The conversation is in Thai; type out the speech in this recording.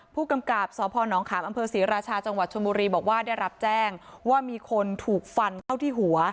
ผู้กำกราบสพนขาบอศรีราชาจชมบบอกว่าได้รับแจ้งว่ามีคนถูกฟันเข้าที่หัว